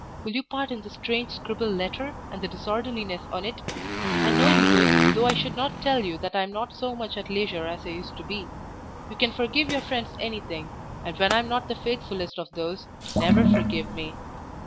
Will you pardon this strange scribbled letter, and the disorderliness on't? I know you would, though I should not tell you that I am not so much at leisure as I used to be. You can forgive your friends anything, and when I am not the faithfullest of those, never forgive me.